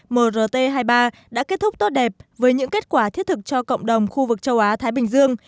mrt hai mươi ba đã kết thúc tốt đẹp với những kết quả thiết thực cho cộng đồng khu vực châu á thái bình dương